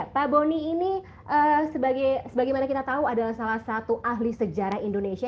pak boni ini sebagaimana kita tahu adalah salah satu ahli sejarah indonesia